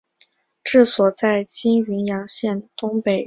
治所在今云阳县东北云安镇。